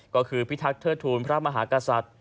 ก็คือพิทักษ์เทิดทูลพระมหากษัตริย์